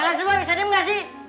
eh lasu emang bisa diem gak sih